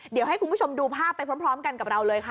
เดี๋ยวให้คุณผู้ชมดูภาพไปพร้อมกันกับเราเลยค่ะ